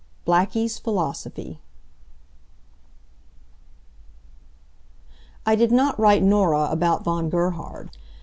BLACKIE'S PHILOSOPHY I did not write Norah about Von Gerhard.